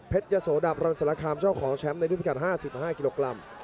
ยะโสดับรันสารคามเจ้าของแชมป์ในรุ่นพิการ๕๕กิโลกรัม